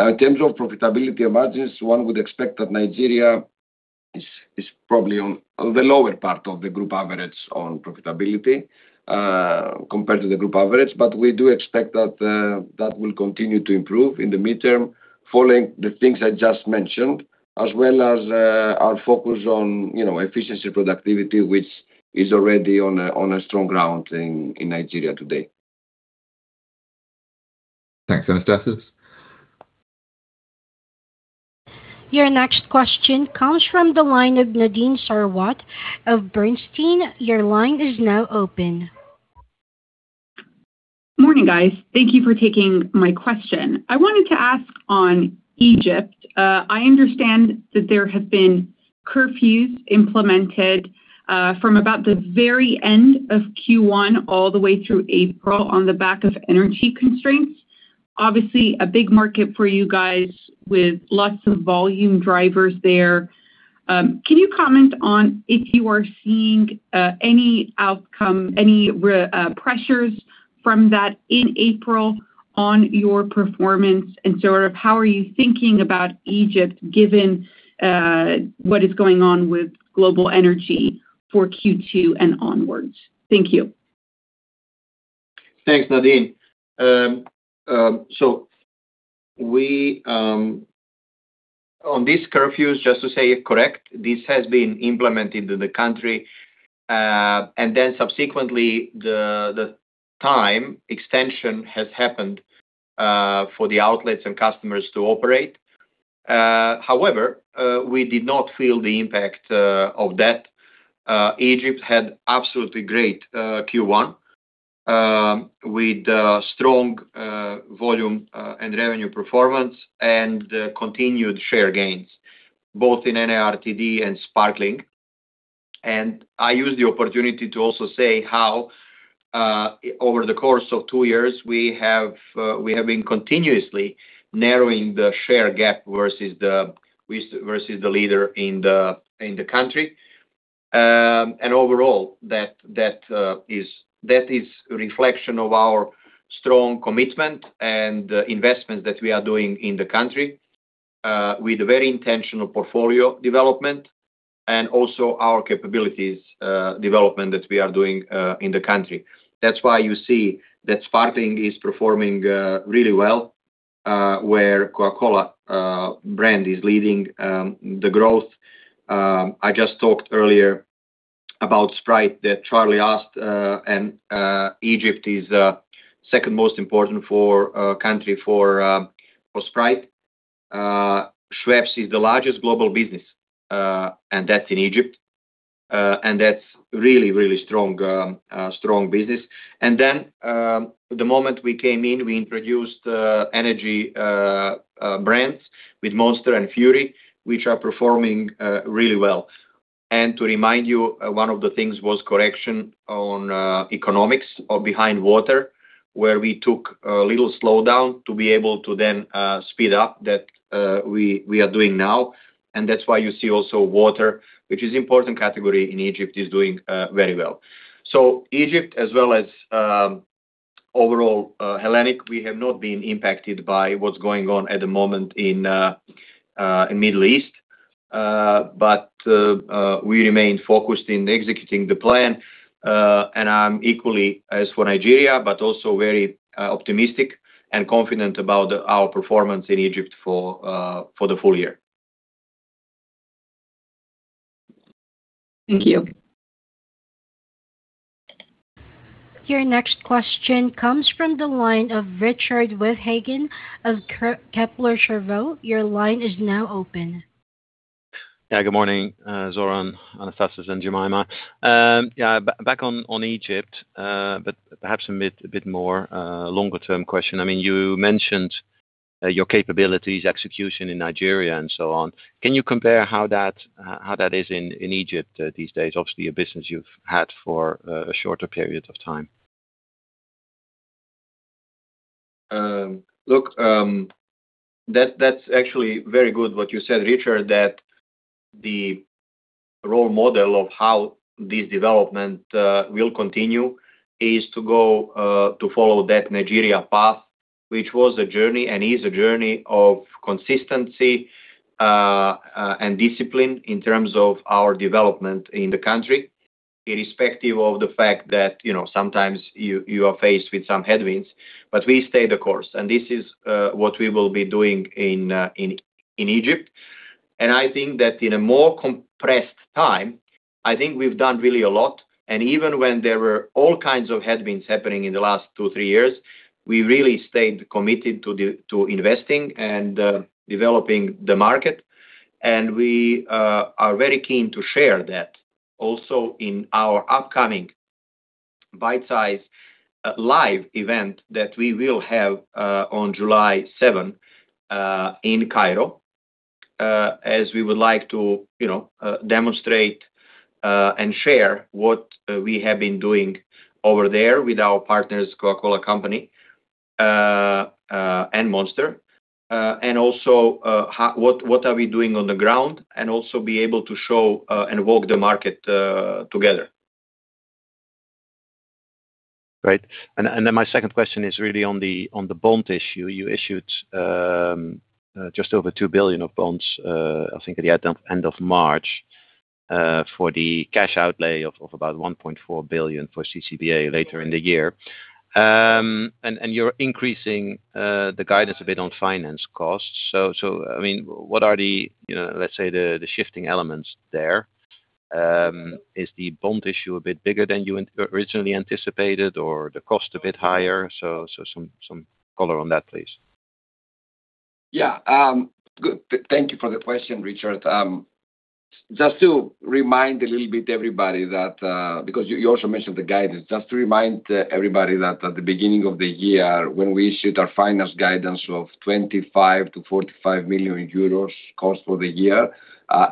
Now, in terms of profitability margins, one would expect that Nigeria is probably on the lower part of the group average on profitability compared to the group average. We do expect that will continue to improve in the midterm following the things I just mentioned, as well as, our focus on, you know, efficiency, productivity, which is already on a strong ground in Nigeria today. Thanks, Anastasis. Your next question comes from the line of Nadine Sarwat of Bernstein. Your line is now open. Morning, guys. Thank you for taking my question. I wanted to ask on Egypt. I understand that there have been curfews implemented from about the very end of Q1 all the way through April on the back of energy constraints. Obviously, a big market for you guys with lots of volume drivers there. Can you comment on if you are seeing any outcome, any pressures from that in April? On your performance and sort of how are you thinking about Egypt given what is going on with global energy for Q2 and onwards? Thank you. Thanks, Nadine. On these curfews, just to say it correct, this has been implemented to the country. Subsequently, the time extension has happened for the outlets and customers to operate. However, we did not feel the impact of that. Egypt had absolutely great Q1 with strong volume and revenue performance and continued share gains both in ARTD and Sparkling. I use the opportunity to also say how over the course of 2 years we have been continuously narrowing the share gap versus the leader in the country. Overall, that is a reflection of our strong commitment and investment that we are doing in the country, with a very intentional portfolio development and also our capabilities development that we are doing in the country. That's why you see that Sparkling is performing really well, where Coca-Cola brand is leading the growth. I just talked earlier about Sprite that Charlie asked, Egypt is second most important for country for Sprite. Schweppes is the largest global business, that's in Egypt. That's really strong business. The moment we came in, we introduced energy brands with Monster and Fury, which are performing really well. To remind you, one of the things was correction on economics or behind water, where we took a little slowdown to be able to then speed up that we are doing now. That's why you see also water, which is important category in Egypt, is doing very well. Egypt as well as overall Hellenic, we have not been impacted by what's going on at the moment in Middle East. We remain focused in executing the plan. I'm equally as for Nigeria, but also very optimistic and confident about our performance in Egypt for the full year. Thank you. Your next question comes from the line of Richard Withagen of Kepler Cheuvreux. Your line is now open. Good morning, Zoran, Anastasis, and Jemima. Back on Egypt, perhaps a bit more longer-term question. I mean, you mentioned your capabilities, execution in Nigeria and so on. Can you compare how that, how that is in Egypt these days? Obviously, a business you've had for a shorter period of time. That's actually very good what you said, Richard, that the role model of how this development will continue is to follow that Nigeria path, which was a journey and is a journey of consistency and discipline in terms of our development in the country, irrespective of the fact that, you know, sometimes you are faced with some headwinds, but we stay the course, and this is what we will be doing in Egypt. I think that in a more compressed time, I think we've done really a lot. Even when there were all kinds of headwinds happening in the last two, three years, we really stayed committed to investing and developing the market. We are very keen to share that also in our upcoming bite-sized live event that we will have on July seventh in Cairo, as we would like to, you know, demonstrate and share what we have been doing over there with our partners, Coca-Cola Company and Monster. Also, what are we doing on the ground and also be able to show and walk the market together. Great. Then my second question is really on the bond issue. You issued just over 2 billion of bonds, I think at the end of March, for the cash outlay of about 1.4 billion for CCBA later in the year. You're increasing the guidance a bit on finance costs. I mean, what are the, let's say, the shifting elements there? Is the bond issue a bit bigger than you originally anticipated or the cost a bit higher? Some color on that, please. Good. Thank you for the question, Richard. Just to remind a little bit everybody that, because you also mentioned the guidance. Just to remind everybody that at the beginning of the year when we issued our finance guidance of 25 million-45 million euros cost for the year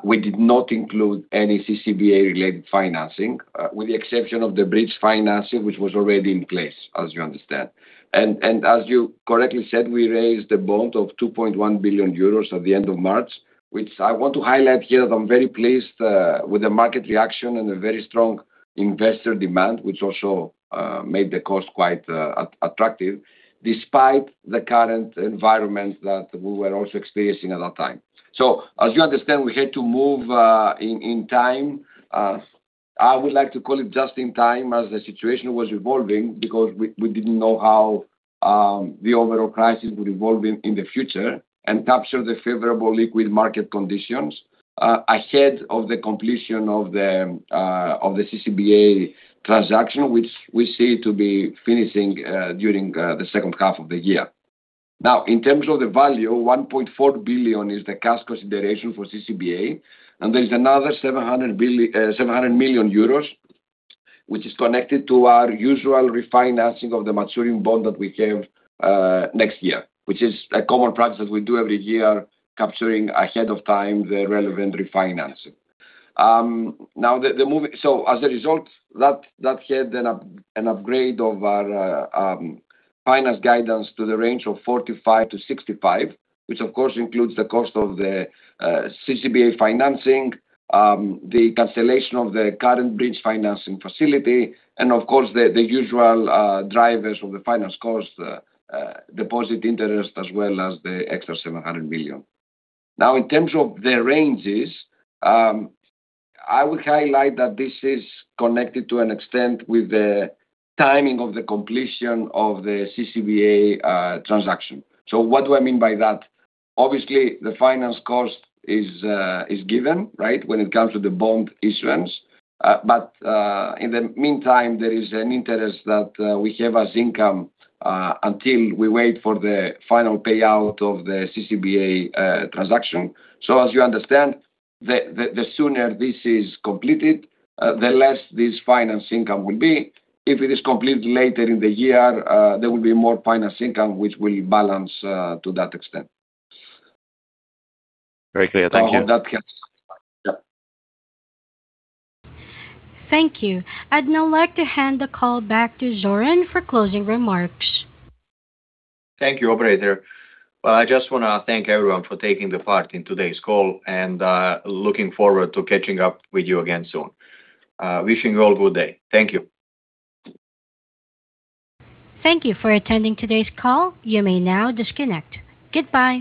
We did not include any CCBA related financing with the exception of the bridge financing which was already in place, as you understand. As you correctly said, we raised a bond of 2.1 billion euros at the end of March, which I want to highlight here that I'm very pleased with the market reaction and the very strong investor demand, which also made the cost quite attractive despite the current environment that we were also experiencing at that time. As you understand, we had to move in time. I would like to call it just in time as the situation was evolving because we didn't know how the overall crisis would evolve in the future and capture the favorable liquid market conditions ahead of the completion of the CCBA transaction, which we see to be finishing during the second half of the year. In terms of the value, 1.4 billion is the cash consideration for CCBA, there is another 700 million euros which is connected to our usual refinancing of the maturing bond that we have next year, which is a common practice we do every year, capturing ahead of time the relevant refinancing. Now the move as a result, that had an upgrade of our finance guidance to the range of 45 million-65 million. Which of course includes the cost of the CCBA financing, the cancellation of the current bridge financing facility and of course the usual drivers of the finance cost, deposit interest, as well as the extra 700 million. Now in terms of the ranges, I would highlight that this is connected to an extent with the timing of the completion of the CCBA transaction. What do I mean by that? Obviously, the finance cost is given, right? When it comes to the bond issuance. In the meantime, there is an interest that we have as income until we wait for the final payout of the CCBA transaction. As you understand, the sooner this is completed, the less this finance income will be. If it is completed later in the year, there will be more finance income which will balance to that extent. Very clear. Thank you. Oh, that's it. Yeah. Thank you. I'd now like to hand the call back to Zoran for closing remarks. Thank you, Operator. Well, I just wanna thank everyone for taking the part in today's call and looking forward to catching up with you again soon. Wishing you all good day. Thank you. Thank you for attending today's call. You may now disconnect. Goodbye.